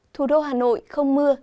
thủ đô hà nội không mưa